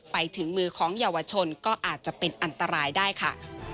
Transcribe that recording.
ไปถึงมือของเยาวชนก็อาจจะเป็นอันตรายได้ค่ะ